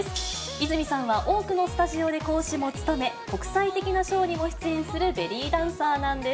イズミさんは多くのスタジオで講師を務め、国際的なショーにも出演するベリーダンサーなんです。